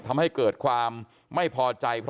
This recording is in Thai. แต่ว่าวินนิสัยดุเสียงดังอะไรเป็นเรื่องปกติอยู่แล้วครับ